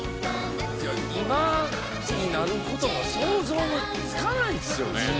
今になる事も想像もつかないですよね